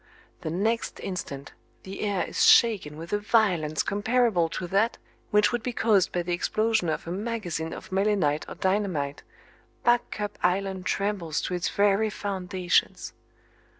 The next instant the air is shaken with a violence comparable to that which would be caused by the explosion of a magazine of melinite or dynamite, Back Cup Island trembles to its very foundations.